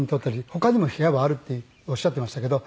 他にも部屋はあるっておっしゃってましたけど。